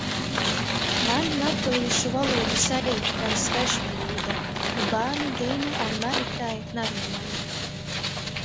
Maņ latgalīšu volūda saīt kai svešvolūda, nu bārnu dīnu ar mani tai narunuoja.